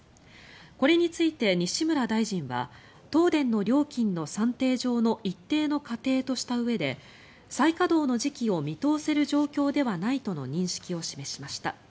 これについて西村大臣は東電の料金の算定上の一定の仮定としたうえで再稼働の時期を見通せる状況ではないとの認識を示しました。